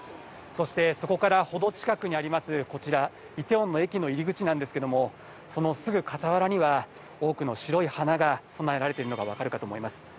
そしてそこから程近くにあります、こちらイテウォンの駅の入口なんですが、そのすぐ傍らには多くの白い花が供えられているのがわかるかと思います。